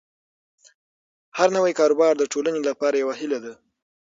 هر نوی کاروبار د ټولنې لپاره یوه هیله ده.